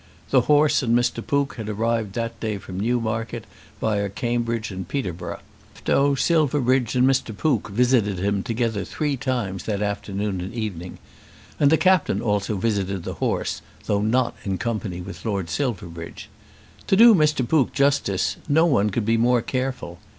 The horse and Mr. Pook had arrived that day from Newmarket, via Cambridge and Peterborough. Tifto, Silverbridge, and Mr. Pook visited him together three times that afternoon and evening; and the Captain also visited the horse, though not in company with Lord Silverbridge. To do Mr. Pook justice, no one could be more careful.